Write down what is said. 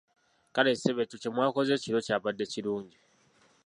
Kale ssebo ekyo kye mwakoze ekiro kyabadde kirungi.